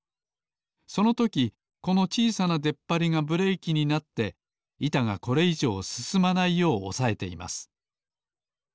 そのときこのちいさなでっぱりがブレーキになっていたがこれいじょうすすまないようおさえています。